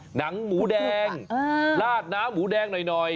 หมูแดงลาดน้ำหมูแดงหน่อย